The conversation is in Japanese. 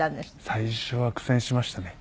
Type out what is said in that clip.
最初は苦戦しましたね。